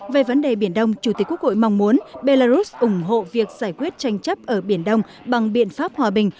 về vấn đề biển đông chủ tịch quốc hội mong muốn belarus ủng hộ việc giải quyết tranh chấp ở biển đông bằng biện pháp hòa bình